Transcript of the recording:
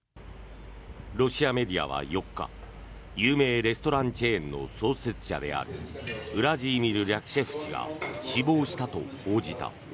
ロシアメディアは４日有名レストランチェーンの創設者であるウラジーミル・リャキシェフ氏が死亡したと報じた。